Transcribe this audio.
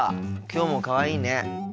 きょうもかわいいね。